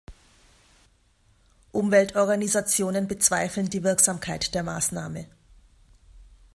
Umweltorganisationen bezweifeln die Wirksamkeit der Maßnahme.